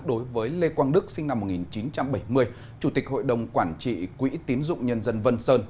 đối với lê quang đức sinh năm một nghìn chín trăm bảy mươi chủ tịch hội đồng quản trị quỹ tín dụng nhân dân vân sơn